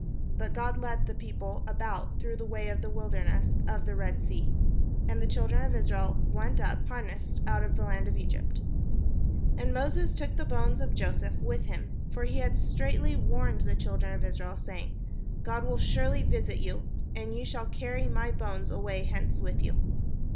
But God led the people about, through the way of the wilderness of the Red Sea; and the children of Israel went up harnessed out of the land of Egypt. And Moses took the bones of Joseph with him; for he had straitly sworn the children of Israel, saying, "God will surely visit you; and ye shall carry up my bones away hence with you."